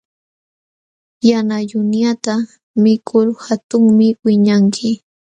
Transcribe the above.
Yana yunyata mikul hatunmi wiñanki.